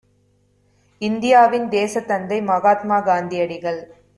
இந்தியாவின் தேசத்தந்தை மகாத்மா காந்தியடிகள்